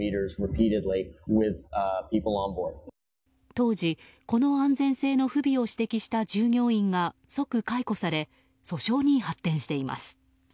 当時、この安全性の不備を指摘した従業員が即解雇され訴訟に発展しています。